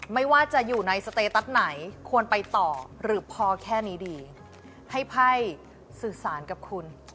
ไม่ว่าจะอยู่ในสเตตัสไหนควรไปต่อหรือพอแค่นี้ดีให้ไพ่สื่อสารกับคุณ